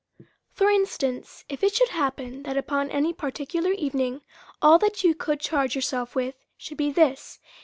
For instance : If it should happen that upon any particular evening, all that you could charge yourself with should be this, viz.